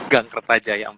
gang kertajaya empat